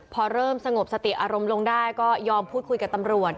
พอเริ่มสงบสติอารมณ์ลงได้ก็ยอมพูดคุยกับตำรวจ